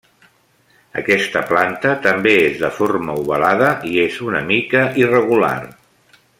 Aquesta planta també és de forma ovalada i és una mica irregular.